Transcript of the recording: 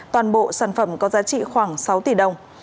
toàn bộ sản phẩm có giá trị khoảng sáu tỷ đồng